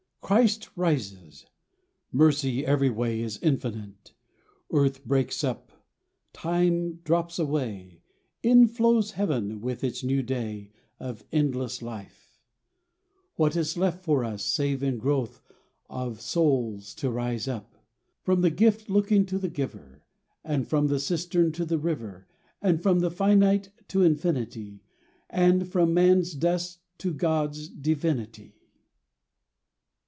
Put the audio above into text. Christ rises ! Mercy every way is infinite — Earth breaks up ; time drops away ; In flows Heaven, with its new day Of endless life — What is left for us, save, in growth Of soul' to rise up, ... From the gift looking to the giver, And from the cistern to the river. And from the finite to infinity, And from man's dust to God's divinity."